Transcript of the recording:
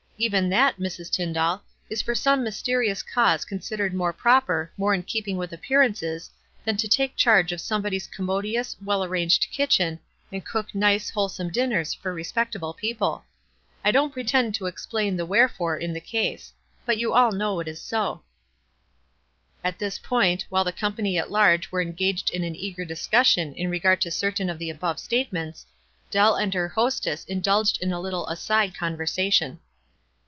"Even that, Mrs. Tyndall, is for some mysterious cause considered more proper, more in keeping with appearances, than to take charge of somebody's commodious, well arranged kitchen, and cook nice, wholesome dinners for respectable people. I don't pretend to explain the f wherefore ' in the case ; but you all know it is so." At this point, while the company at large were ensrasred in an easier discussion in regard to cer tain of the above statements, Dell and her host ess indulged in a little aside conversation.